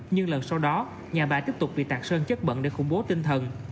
nhưng lần sau đó nhà bà tiếp tục bị tạc sơn chất bẩn để khủng bố tinh thần